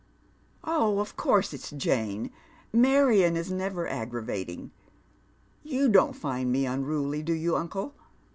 " Oh, of course it's Jane. Marion is never aggravating. Yoti don't find me unruly, do you, uncle?"